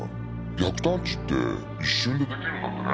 逆探知って一瞬で出来るんだってね。